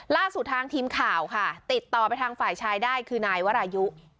ล่าสุดทางทีมข่าวค่ะติดต่อไปทางฝ่ายชายได้คือนายวรายุ